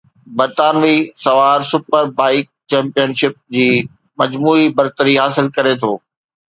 برطانوي سوار super bike championship جي مجموعي برتري حاصل ڪري ٿو